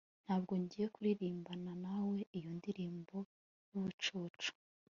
Ntabwo ngiye kuririmbana nawe iyo ndirimbo yubucucu